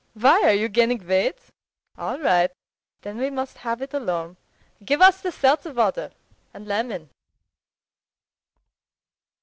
"Why, are you gaining weight? All right, then we must have it alone. Give us the seltzer water and lemon."